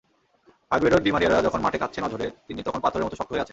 Aguero-D মারিয়ারা যখন মাঠে কাঁদছেন অঝোরে, তিনি তখন পাথরের মতো শক্ত হয়ে আছেন।